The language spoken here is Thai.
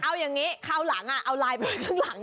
เอาอย่างนี้คราวหลังเอาไลน์ไปข้างหลัง